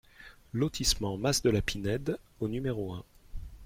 Lotissement Mas de la Pinede au numéro un